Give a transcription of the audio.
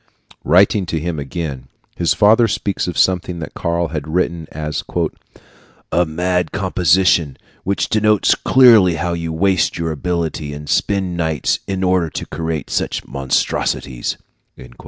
Writing to him again, his father speaks of something that Karl had written as "a mad composition, which denotes clearly how you waste your ability and spend nights in order to create such monstrosities."